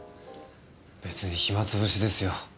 別に暇つぶしですよ。